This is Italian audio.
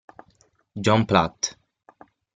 John Platt